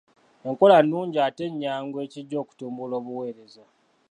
Enkola nnungi ate nnyangu ekijja okutumbula obuweereza.